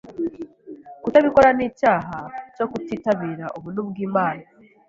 Kutabikora ni icyaha cyo kutitabira ubuntu bw'Imana,